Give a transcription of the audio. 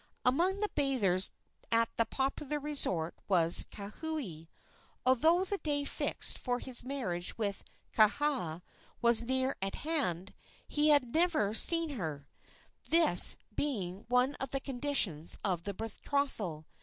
Among the bathers at that popular resort was Kauhi. Although the day fixed for his marriage with Kaha was near at hand, he had never seen her this being one of the conditions of the betrothal.